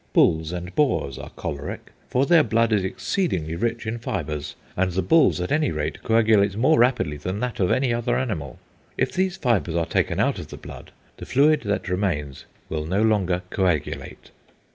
Bulls and boars are choleric, for their blood is exceedingly rich in fibres, and the bull's, at any rate, coagulates more rapidly than that of any other animal.... If these fibres are taken out of the blood, the fluid that remains will no longer coagulate."